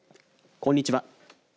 こんにちは。